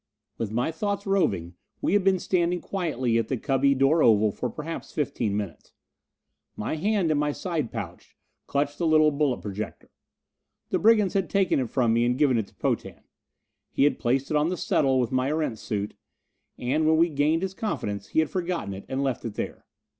With my thoughts roving, we had been standing quietly at the cubby door oval for perhaps fifteen minutes. My hand in my side pouch clutched the little bullet projector. The brigands had taken it from me and given it to Potan. He had placed it on the settle with my Erentz suit; and when we gained his confidence he had forgotten it and left it there.